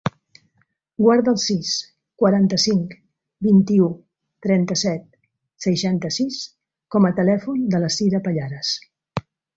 Guarda el sis, quaranta-cinc, vint-i-u, trenta-set, seixanta-sis com a telèfon de la Sira Pallares.